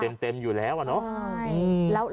ติดเต็มอยู่แล้วอ่ะเนาะ